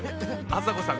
あさこさん